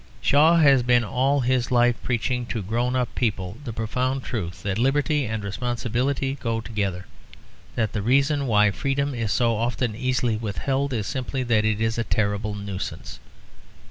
Shaw has been all his life preaching to grown up people the profound truth that liberty and responsibility go together; that the reason why freedom is so often easily withheld, is simply that it is a terrible nuisance.